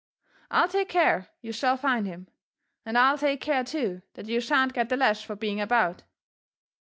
I 'II take eare you shall find him, and I'll take care, too^ that you shan't get the lash for being about.